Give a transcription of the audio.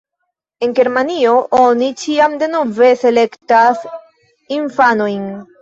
En Germanio oni ĉiam denove selektas infanojn.